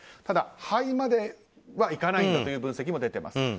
ただ、肺まではいかないという分析も出ています。